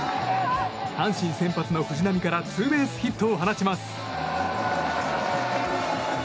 阪神先発の藤浪からツーベースヒットを放ちます。